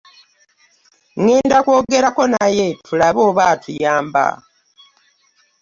ngenda kwogerako naye tulabe oba atuyamba.